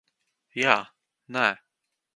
Jā. Nē.